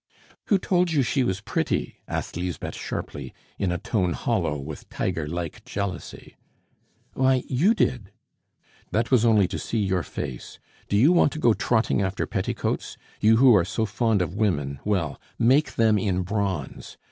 "Who told you she was pretty?" asked Lisbeth sharply, in a tone hollow with tiger like jealousy. "Why, you did." "That was only to see your face. Do you want to go trotting after petticoats? You who are so fond of women, well, make them in bronze.